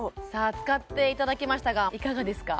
使っていただきましたがいかがですか？